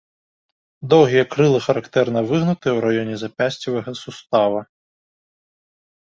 Доўгія крылы характэрна выгнутыя ў раёне запясцевага сустава.